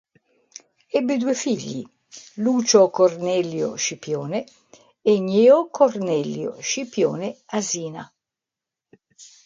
Ebbe due figli: Lucio Cornelio Scipione e Gneo Cornelio Scipione Asina.